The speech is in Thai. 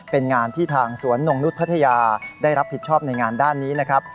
เป็นงานที่ทางสวนนงนุษย์พัทยาได้รับผิดชอบในงานด้านนี้นะครับ